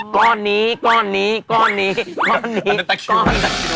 ก้อนนี้ก้อนนี้ก้อนนี้ก้อนนี้ก้อนนี้